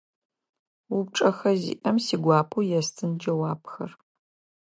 Упчӏэхэ зиӏэм сигуапэу естын джэуапхэр.